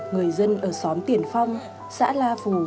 người dân ở xóm tiền phong xã la phủ